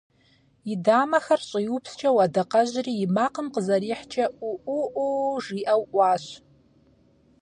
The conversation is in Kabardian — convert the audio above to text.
И дамэхэр щӀиупскӀэу адакъэжьри и макъым къызэрихькӀэ: Ӏуу Ӏуу Ӏуу! – жиӀэу Ӏуащ.